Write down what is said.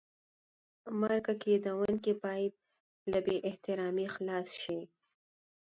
مرکه کېدونکی باید له بې احترامۍ خلاص شي.